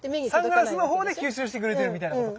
サングラスのほうで吸収してくれてるみたいなことか。